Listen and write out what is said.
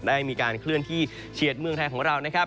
ได้มีการเคลื่อนที่เฉียดเมืองไทยของเรานะครับ